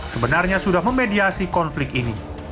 sebenarnya sudah memediasi konflik ini